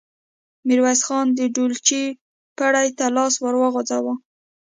ميرويس خان د ډولچې پړي ته لاس ور وغځاوه.